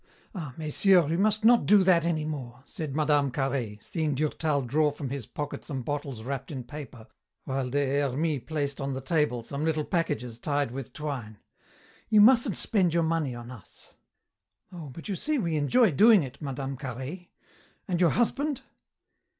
Ah, messieurs, you must not do that any more," said Mme. Carhaix, seeing Durtal draw from his pocket some bottles wrapped in paper, while Des Hermies placed on the table some little packages tied with twine. "You mustn't spend your money on us." "Oh, but you see we enjoy doing it, Mme. Carhaix. And your husband?"